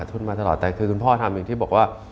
แต่คือทุนพ่อทำอย่างที่บอกว่า